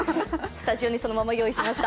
スタジオにそのまま用意しました。